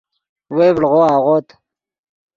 وئے ڤڑغو اغوت